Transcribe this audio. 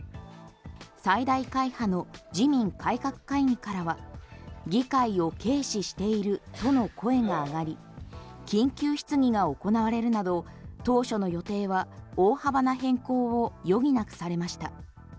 最大会派の自民改革会議からは議会を軽視しているとの声が上がり緊急質疑が行われるなど当初の予定は大幅な変更を余儀なくされました。